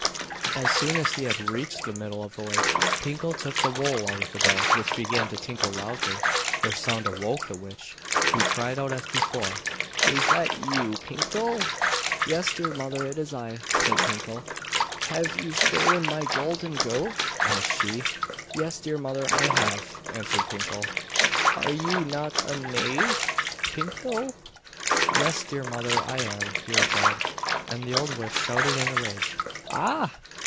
As soon as he had reached the middle of the lake, Pinkel took the wool out of the bells, which began to tinkle loudly. Their sound awoke the witch, who cried out as before: 'Is that you, Pinkel?' 'Yes, dear mother, it is I,' said Pinkel. 'Have you stolen my golden goat?' asked she. 'Yes, dear mother, I have,' answered Pinkel. 'Are you not a knave, Pinkel?' 'Yes, dear mother, I am,' he replied. And the old witch shouted in a rage: 'Ah!